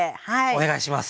お願いします。